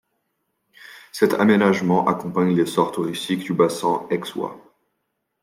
Cette aménagement accompagne l'essor touristique du bassin aixois.